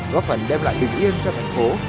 gốc phần đem lại bình yên cho thành phố